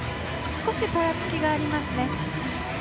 少しばらつきがありますね。